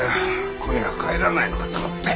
今夜は帰らないのかと思ったよ。